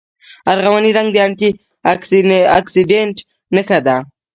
ارغواني رنګ د انټي اکسیډنټ نښه ده.